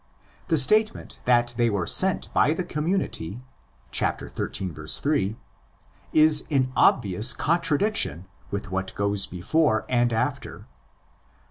The statement that they were sent by the community (xiii. 8) is in obvious contradiction with what goes before and after.